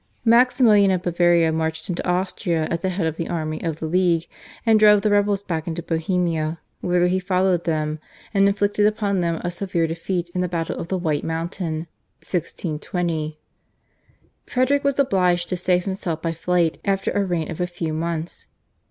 Maximilian of Bavaria marched into Austria at the head of the army of the /League/ and drove the rebels back into Bohemia, whither he followed them, and inflicted upon them a severe defeat in the battle of the White Mountain (1620). Frederick was obliged to save himself by flight after a reign of a few months.